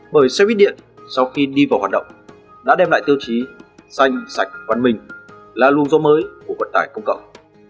bởi xe buýt điện sau khi đi vào hoạt động đã đem lại tiêu chí xanh sạch văn minh là lưu do mới của vận tải công cộng